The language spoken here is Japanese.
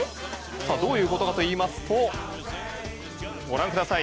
どういうことかといいますとご覧ください。